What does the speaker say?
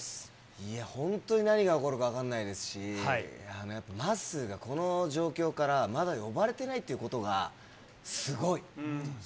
いやー、本当に何が起こるか分かんないですし、やっぱ、まっすーがこの状況から、まだ呼ばれてないってことが、すごい。